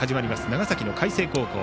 長崎の海星高校。